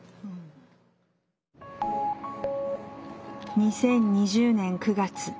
２０２０年９月。